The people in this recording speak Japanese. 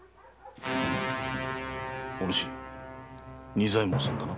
お主仁左衛門さんだな？